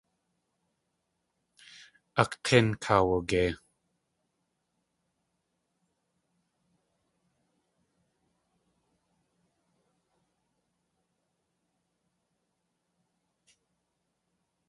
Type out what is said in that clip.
A k̲ín kaawagei.